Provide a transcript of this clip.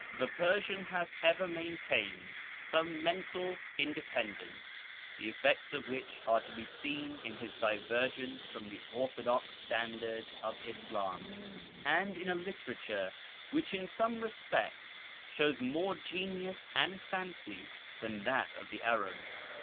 The Persian has ever maintained some mental independence, the effects of which are to be seen in his divergence from the orthodox standard of Islam, and in a literature which in some respects shows more genius and fancy than that of the Arabs.